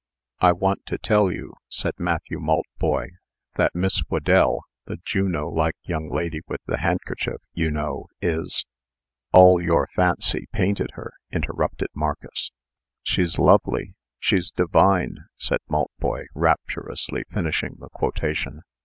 "I want to tell you," said Matthew Maltboy, "that Miss Whedell the Juno like young lady with the handkerchief, you know is " "All your fancy painted her," interrupted Marcus. "She's lovely she's divine," said Maltboy, rapturously finishing the quotation.